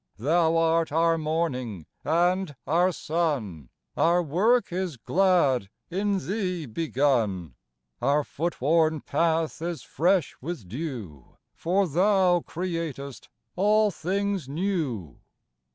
Thou art our Morning and our Sun ; Our work is glad, in Thee begun ; Our footworn path is fresh with dew, For Thou createst all things new.